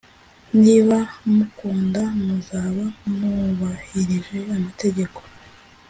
Niba munkunda muzaba mwubahirije amategeko